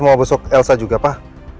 mau besok elsa juga pak